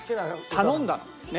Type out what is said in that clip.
頼んだ？